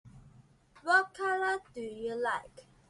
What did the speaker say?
What color do you like?